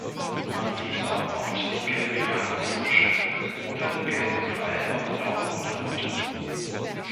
Man sieht auch oft die gelbe Jakobsmuschel oder den gelben Pfeil auf blauem Untergrund.